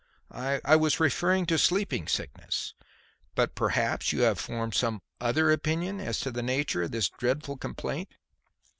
"I was referring to sleeping sickness; but perhaps you have formed some other opinion as to the nature of this dreadful complaint."